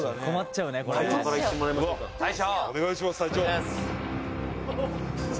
「お願いします隊長」